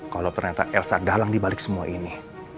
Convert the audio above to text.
kalau ternyata elsa dalang dibalik semua ini